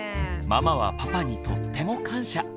ママはパパにとっても感謝。